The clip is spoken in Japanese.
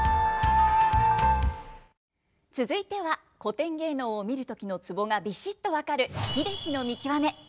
続いては古典芸能を見る時のツボがビシッと分かる英樹さん